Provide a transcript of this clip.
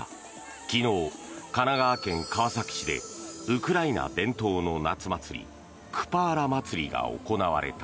昨日、神奈川県川崎市でウクライナ伝統の夏祭りクパーラ祭りが行われた。